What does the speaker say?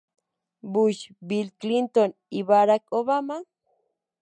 Bush, Bill Clinton, y Barack Obama.